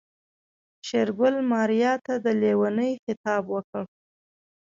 شېرګل ماريا ته د ليونۍ خطاب وکړ.